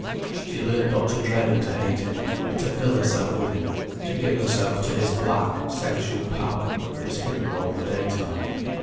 She learned not to dread and to hate him, but to fill herself with him, to give herself to his black, sensual power, that was hidden all the daytime.